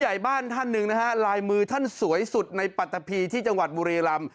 ใหญ่บ้านท่านหนึ่งนะฮะลายมือท่านสวยสุดในปัตตะพีที่จังหวัดบุรีรำ